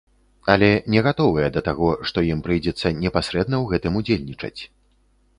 Але не гатовыя да таго, што ім прыйдзецца непасрэдна ў гэтым удзельнічаць.